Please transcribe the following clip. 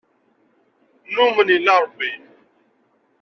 Numen yella Ṛebbi.